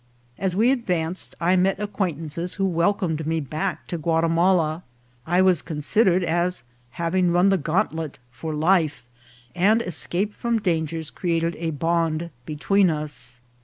As we advanced I met acquaintances who welcomed me back to Guatimala. I was considered as having run the gauntlet for life, and escape from dangers created a bond between us.